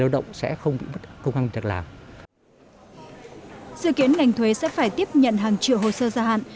dự kiến ngành thuế sẽ phải tiếp nhận hàng triệu hồ sơ gia hạn